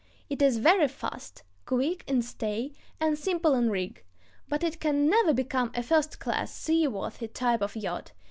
It is very fast, quick in stays, and simple in rig; but it can never become a first class seaworthy type of yacht.